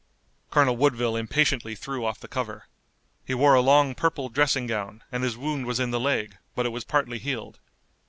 Colonel Woodville impatiently threw off the cover. He wore a long purple dressing gown, and his wound was in the leg, but it was partly healed.